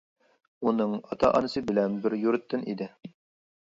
ئۇنىڭ ئاتا-ئانىسى بىلەن بىر يۇرتتىن ئىدى.